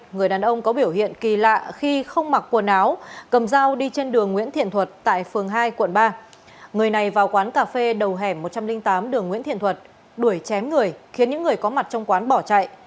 người này vào quán cà phê đầu hẻm một trăm linh tám đường nguyễn thiện thuật đuổi chém người khiến những người có mặt trong quán bỏ chạy